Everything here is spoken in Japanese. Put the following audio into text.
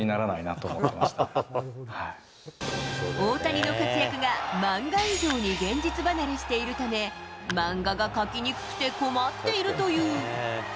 大谷の活躍が漫画以上に現実離れしているため、漫画が描きにくくて困っているという。